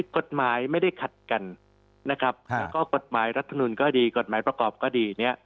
กฎหมายไม่ได้ขัดกันนะครับแล้วก็กฎหมายรัฐมนุนก็ดีกฎหมายประกอบก็ดีเนี่ย